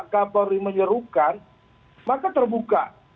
kapolri menyerukan maka terbuka